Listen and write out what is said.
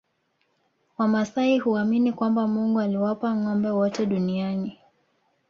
Wamasai huamini kwamba Mungu aliwapa ngombe wote duniani